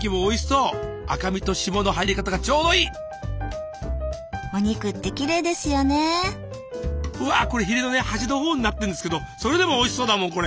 うわっこれヒレのね端の方になってるんですけどそれでもおいしそうだもんこれ。